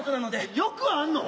よくあんの？